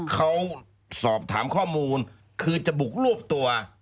เขาสอบถามข้อมูลคือจะบุกรวบตัว